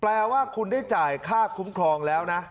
แปลว่าคุณได้จ่ายค่าคุ้มครองแล้วนะ